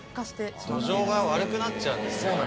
土壌が悪くなっちゃうんですね